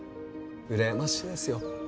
うらやましいですよ